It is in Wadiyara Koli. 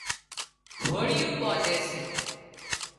گھوڙيون ٻانڌي سي